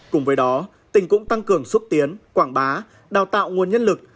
cùng với đó tỉnh cũng tăng cường xúc tiến quảng bá đào tạo nguồn nhân lực